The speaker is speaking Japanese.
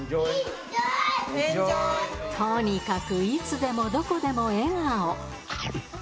とにかくいつでもどこでも笑顔。